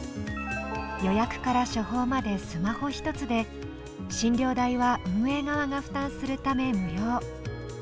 予約から処方までスマホ１つで診療代は運営側が負担するため無料。